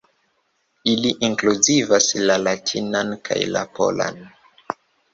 Ili inkluzivas la latinan kaj la polan.